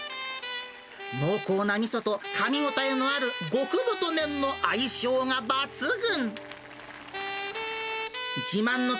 濃厚なみそとかみ応えのある極太麺の相性が抜群。